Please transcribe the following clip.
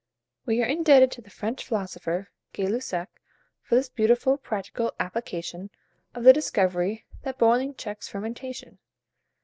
We are indebted to the French philosopher Gay Lussac for this beautiful practical application of the discovery that boiling checks fermentation.